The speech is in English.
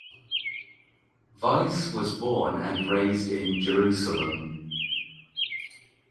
Weiss was born and raised in Jerusalem.